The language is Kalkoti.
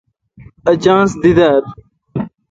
اؘ چانس دی درا۔